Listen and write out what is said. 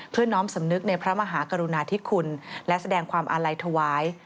น้อมสำนึกในพระมหากรุณาธิคุณและแสดงความอาลัยถวาย